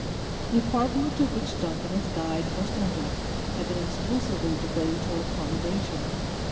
The apartment into which Duncan and his guide first entered, had been exclusively devoted to her accommodation.